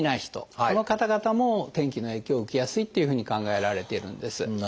この方々も天気の影響を受けやすいというふうに考えられているんです。